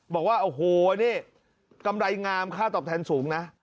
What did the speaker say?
บอกว่าโอ้โหนี่กำไรงามค่าตอบแทนสูงนะ